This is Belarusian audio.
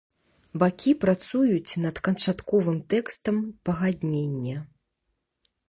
Бакі працуюць над канчатковым тэкстам пагаднення.